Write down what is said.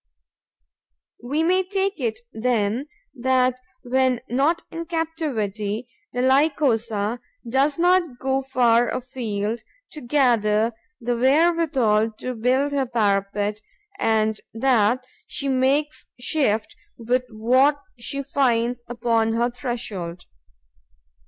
We may take it, then, that, when not in captivity, the Lycosa does not go far afield to gather the wherewithal to build her parapet and that she makes shift with what she finds upon her threshold.